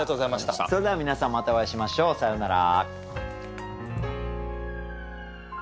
それでは皆さんまたお会いしましょう。さようなら。